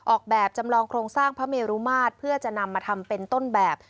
ออกแบบจำลองโครงสร้างพระเมรุมาตรเพื่อจะนำมาทำเป็นต้นแบบ